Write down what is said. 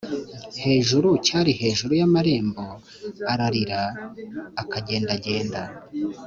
hejuru cyari hejuru y amarembo ararira Akagendagenda